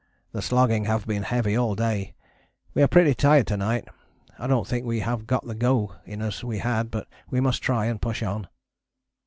The slogging have been heavy all day. We are pretty tired to night. I dont think we have got the go in us we had, but we must try and push on.